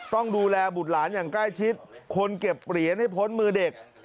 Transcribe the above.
ต้องดูแลบุตรหลานอย่างใกล้ชิด